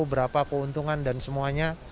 berapa keuntungan dan semuanya